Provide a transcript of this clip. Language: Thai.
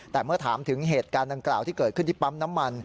แต่เมื่อถามถึงเหตุการณ์ดังกล่าวที่เกิดขึ้นที่ปั๊มน้ำมัน